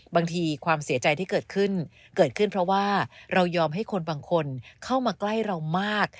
บางทีความเสียใจที่เกิดขึ้นเกิดขึ้นเพราะว่าเรายอมให้คนบางคนเข้ามาใกล้เรามาก